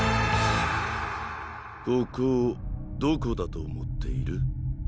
ここをどこだとおもっている。